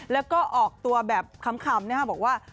แล้วก็ออกตัวแบบคำบอกว่า